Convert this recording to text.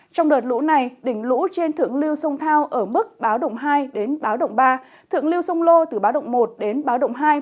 trong đợt lũ này đỉnh lũ trên thượng lưu sông thao ở mức báo động hai đến báo động ba thượng lưu sông lô từ báo động một đến báo động hai